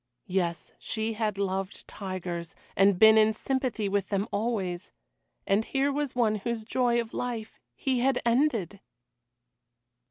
Yes, she had loved tigers, and been in sympathy with them always, and here was one whose joy of life he had ended!